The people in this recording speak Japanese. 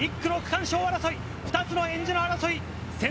１区の区間賞争い、２つのえんじの争い。